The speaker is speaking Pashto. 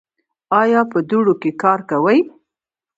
ایا په دوړو کې کار کوئ؟